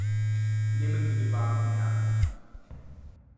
Nehmen Sie die Warnung ernst.